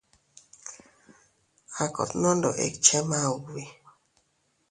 A kot nondoʼo ikche maubi.